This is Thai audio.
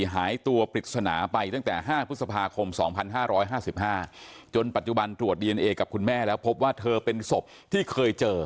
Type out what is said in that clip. หายตัวปริศนาไปตั้งแต่๕พฤษภาคม๒๕๕๕จนปัจจุบันตรวจดีเอนเอกับคุณแม่แล้วพบว่าเธอเป็นศพที่เคยเจอ